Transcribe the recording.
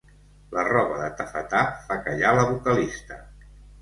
La roba de tafetà fa callar la vocalista.